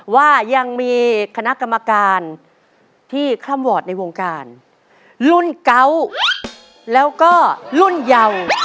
ว่ายังมีคณะกรรมการที่คล่ำวอร์ดในวงการรุ่นเก่าแล้วก็รุ่นเยา